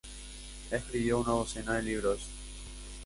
Escribió una docena de libros.